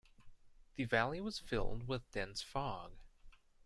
The valley was filled with dense fog.